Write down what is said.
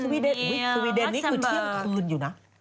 วีสวีเดนนี่คือเที่ยงคืนอยู่นะ